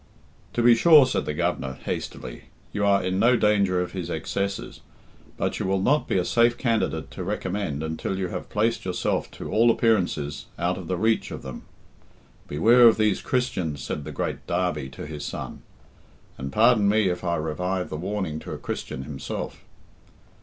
"To be sure," said the Governor hastily, "you are in no danger of his excesses; but you will not be a safe candidate to recommend until you have placed yourself to all appearances out of the reach of them. 'Beware of these Christians,' said the great Derby to his son; and pardon me if I revive the warning to a Christian himself."